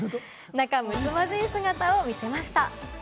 仲むつまじい姿を見せました。